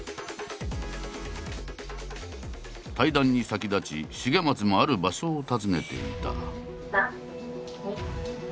対談に先立ち重松もある場所を訪ねていた。